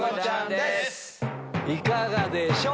いかがでしょう？